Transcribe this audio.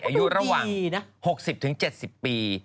อายุระหว่าง๖๐๗๐ปี